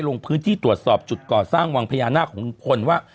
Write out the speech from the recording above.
ลงพื้นที่ตรวจสอบจุดก่อสร้างวังพญานาคของลุงพลว่า